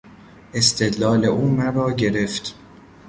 استدلال او مرا گرفت.